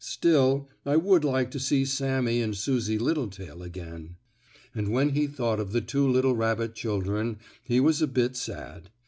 Still, I would like to see Sammie and Susie Littletail again." And when he thought of the two little rabbit children he was a bit sad.